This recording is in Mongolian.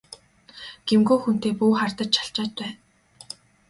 Гэмгүй хүнтэй бүү хардаж чалчаад бай!